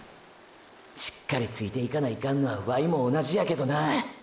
しっかりついていかないかんのはワイも同じやけどな！！